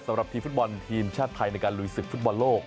สำหรับทีมฟุตบอลทีมชาติไทยในการลุยศึกฟุตบอลโลก